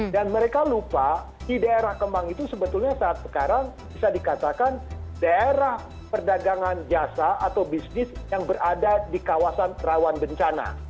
dan mereka lupa di daerah kemang itu sebetulnya saat sekarang bisa dikatakan daerah perdagangan jasa atau bisnis yang berada di kawasan rawan bencana